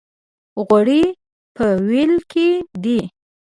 غوړي په وېل کې دي.